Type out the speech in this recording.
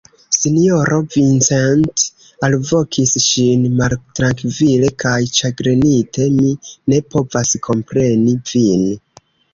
Sinjoro Vincent alvokis ŝin maltrankvile kaj ĉagrenite, mi ne povas kompreni vin.